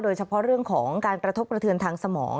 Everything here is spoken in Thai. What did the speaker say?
โดยเฉพาะเรื่องของการกระทบกระเทือนทางสมอง